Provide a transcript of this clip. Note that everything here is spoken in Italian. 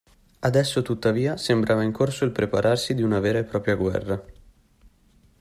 Adesso tuttavia sembrava in corso il prepararsi di una vera e propria guerra.